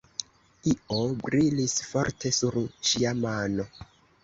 Io brilis forte sur ŝia mano.